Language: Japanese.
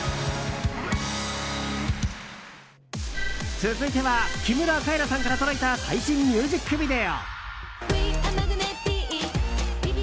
続いては木村カエラさんから届いた最新ミュージックビデオ。